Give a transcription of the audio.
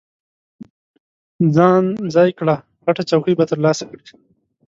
ځان ځای کړه، غټه چوکۍ به ترلاسه کړې.